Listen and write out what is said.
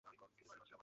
মেধাবী ছাত্র ছিলেন।